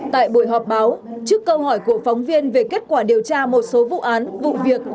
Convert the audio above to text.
tại buổi họp báo trước câu hỏi của phóng viên về kết quả điều tra một số vụ án vụ việc